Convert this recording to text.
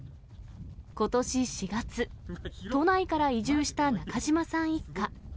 ことし４月、都内から移住した中嶋さん一家。